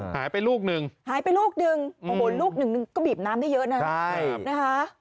หายไปลูกนึงหายไปลูกนึงของบนลูกนึงก็บีบน้ำได้เยอะนะ